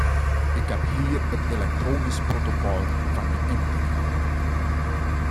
Ik heb hier het elektronisch protocol van die indiening.